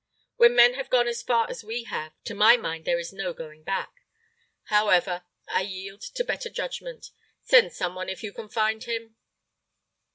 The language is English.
When men have gone as far as we have, to my mind there is no going back. However, I yield to better judgment. Send some one, if you can find him."